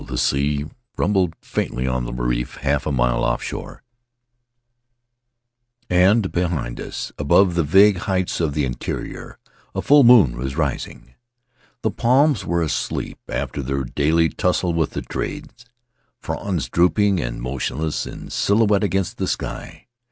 The sea rumbled faintly on the reef, half a mile offshore, and behind us — above the vague heights of the interior — a full moon was rising. The palms were asleep after their daily tussle with the trade — fronds drooping and motionless in silhouette against the sky.